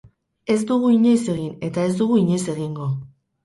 Ez dugu inoiz egin, eta ez dugu inoiz egingo.